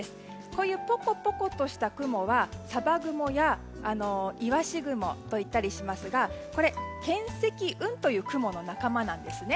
こういう、ポコポコとした雲はさば雲や、いわし雲といったりしますが巻積雲という雲の仲間なんですね。